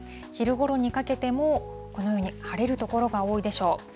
昼ごろにかけても、このように晴れる所が多いでしょう。